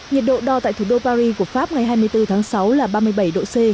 nhiệt độ đo tại thủ đô paris của pháp ngày hai mươi bốn tháng sáu là ba mươi bảy độ c